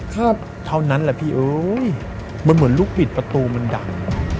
เท่านั้นแหละพี่เอ้ยมันเหมือนลูกบิดประตูมันดัง